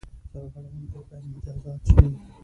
سرغړوونکي باید مجازات شي.